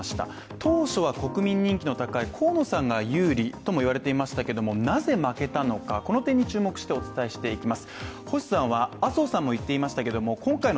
当初は国民人気の高い河野さんが有利とも言われていましたけどもなぜ負けたのかこの点に注目してお伝えしていきます